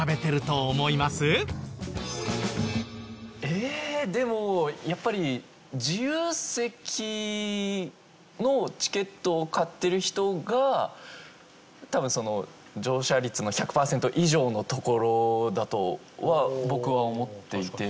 えーでもやっぱり自由席のチケットを買ってる人が多分その乗車率の１００パーセント以上のところだとは僕は思っていて。